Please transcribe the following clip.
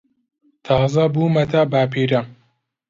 تازە بوومەتە باپیرە.